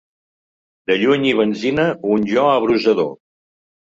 De lluny i benzina i un jo abrusador.